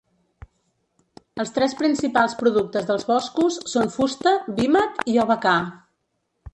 Els tres principals productes dels boscos són fusta, vímet i abacà.